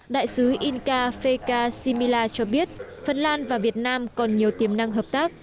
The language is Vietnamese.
đại sứ inka pekasimila cho biết phần lan và việt nam còn nhiều tiềm năng hợp tác